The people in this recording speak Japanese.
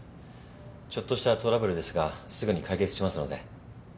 ちょっとしたトラブルですがすぐに解決しますので。